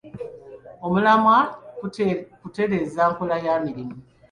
Omulamwa kutereeza nkola ya mirimu.